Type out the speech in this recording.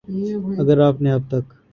اگر آپ نے اب تک